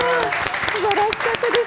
すばらしかったです。